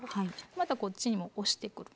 またこっちにも押してくる。